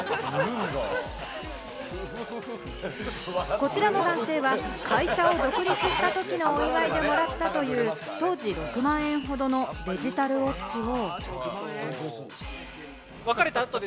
こちらの男性は、会社を独立した時のお祝いでもらったという、当時６万円ほどのデジタルウォッチを。